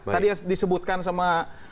tadi yang disebutkan sama